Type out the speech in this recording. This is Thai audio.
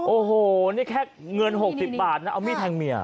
โอ้โหนี่แค่เงิน๖๐บาทนะเอามีดแทงเมีย